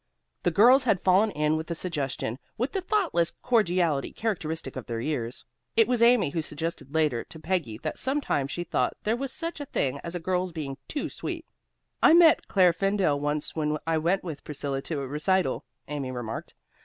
The girls had fallen in with the suggestion with the thoughtless cordiality characteristic of their years. It was Amy who suggested later to Peggy that sometimes she thought there was such a thing as a girl's being too sweet. "I met Claire Fendall once when I went with Priscilla to a recital," Amy remarked.